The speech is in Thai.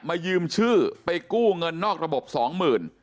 ยืมชื่อไปกู้เงินนอกระบบสองหมื่น